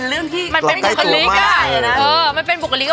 มันเรื่องที่มันเป็นบุกริกอ่ะใกล้ตัวมากเลยนะเออมันเป็นบุกริกภาพอ่ะ